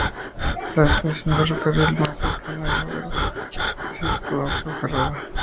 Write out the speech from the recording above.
La estación de ferrocarril más cercana a Fabero se sitúa en Ponferrada.